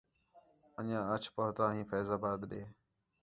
انڄیاں اَچ پُہتا ھیں فیض آباد دے